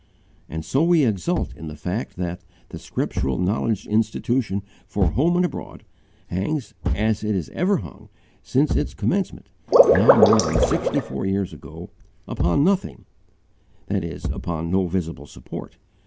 And so we exult in the fact that 'the Scriptural Knowledge Institution for Home and Abroad' hangs, as it has ever hung, since its commencement, now more than sixty four years ago, 'upon nothing,' that is, upon no VISIBLE support.